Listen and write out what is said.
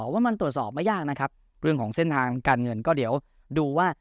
ว่ามันตรวจสอบไม่ยากนะครับเรื่องของเส้นทางการเงินก็เดี๋ยวดูว่า